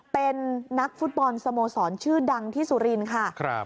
เป็นนักฟุตบอลสโมสรชื่อดังที่สุรินทร์ค่ะ